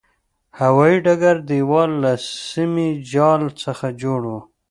هوایي ډګر دېوال له سیمي جال څخه جوړ و.